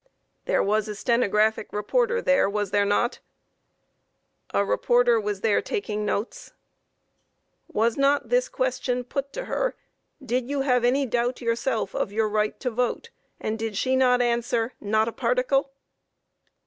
Q. There was a stenographic reporter there, was there not? A. A reporter was there taking notes. Q. Was not this question put to her "Did you have any doubt yourself of your right to vote?" and did she not answer "Not a particle?"